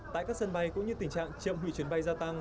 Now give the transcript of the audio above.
tại các sân bay cũng như tình trạng chậm hủy chuyến bay gia tăng